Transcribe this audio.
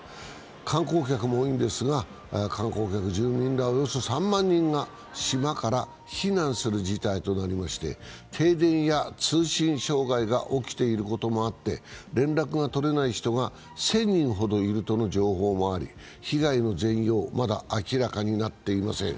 観光客も多いんですが、観光客、住民らおよそ３万人が島から避難する事態となりまして停電や通信障害が起きていることもあって連絡が取れない人が１０００人ほどいるとの情報もあり被害の全容、まだ明らかになっていません。